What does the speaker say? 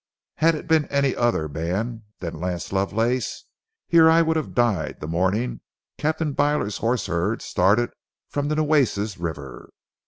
Had it been any other man than Lance Lovelace, he or I would have died the morning Captain Byler's horse herd started from the Nueces River.